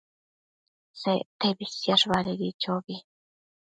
Sectebi siash badedi chobi